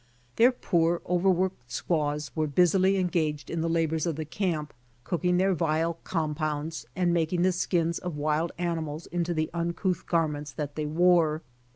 Their poor, overworked squaws were busily engaged in the labors of the camp, cooking their vile com pounds, and making the skins of wild animals into the uncouth garments that they wore.